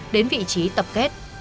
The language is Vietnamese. đến vị trí tập kết